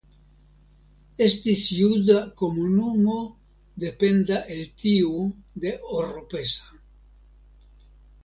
Estis juda komunumo dependa el tiu de Oropesa.